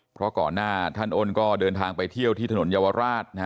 เพราะก่อนหน้าท่านอ้นก็เดินทางไปเที่ยวที่ถนนเยาวราช